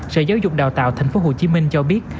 sở giáo dục đào tạo tp hcm cho biết